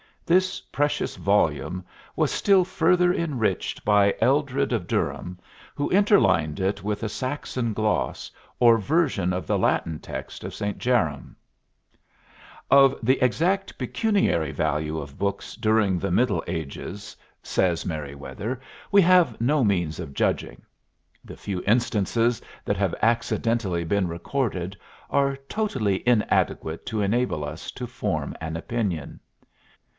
This precious volume was still further enriched by Aldred of Durham, who interlined it with a Saxon Gloss, or version of the Latin text of St. Jerome. "Of the exact pecuniary value of books during the middle ages," says Merryweather, "we have no means of judging. The few instances that have accidentally been recorded are totally inadequate to enable us to form an opinion.